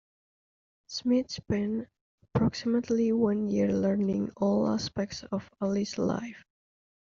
Smith spent approximately one year learning all aspects of Ali's life.